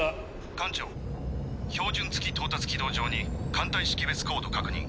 艦長標準月到達軌道上に艦隊識別コード確認。